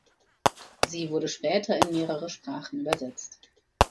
Sie wurde später in mehrere Sprachen übersetzt.